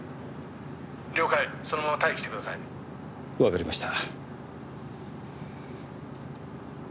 「了解そのまま待機してください」わかりました。